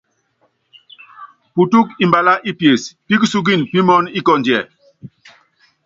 Putúk mbalá i pies pi kusúkin pimɔɔn ikɔndiɛ.